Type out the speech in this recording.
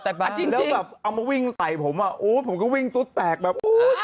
แล้วแบบวิ่งไตของผมผมก็วิ่งตุ๊กแตกแบบ